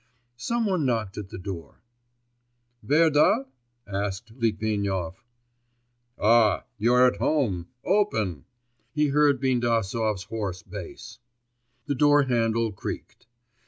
Some one knocked at the door. 'Wer da?' asked Litvinov. 'Ah! you're at home! open!' he heard Bindasov's hoarse bass. The door handle creaked.